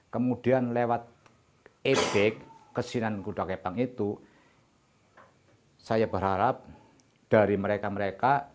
kemudian lewat ebek kesinan kuda kepang itu saya berharap dari mereka mereka